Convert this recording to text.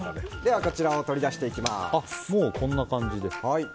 こちらを取り出していきます。